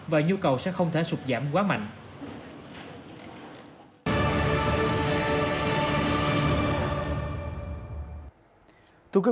và nhu cầu sẽ không thể sụt giảm quá mạnh